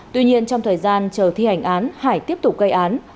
tuy nhiên trong thời gian chờ thi hành án hải tiếp tục gây án